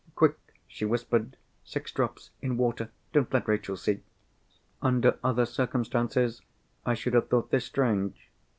"Quick!" she whispered. "Six drops, in water. Don't let Rachel see." Under other circumstances, I should have thought this strange.